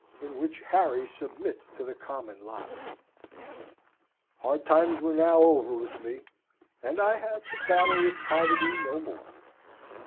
In which Harry submits to the Common Lot Hard times were now over with me, and I had to battle with poverty no more.